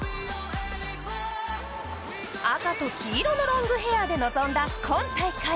赤と黄色のロングヘアで臨んだ今大会。